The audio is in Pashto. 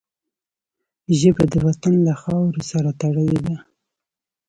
ژبه د وطن له خاورو سره تړلې ده